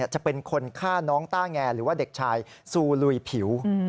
จะเป็นคนฆ่าน้องต้าแงหรือว่าเด็กชายซูลุยผิว